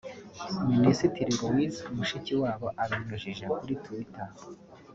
Minisitiri Louise Mushikiwabo abinyujije kuri Twitter